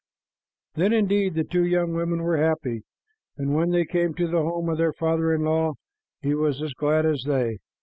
Then, indeed, the two young women were happy, and when they came to the home of their father in law, he was as glad as they.